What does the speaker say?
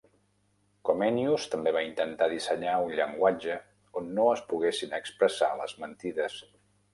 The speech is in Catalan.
Comenius també va intentar dissenyar un llenguatge on no es poguessin expressar les mentides.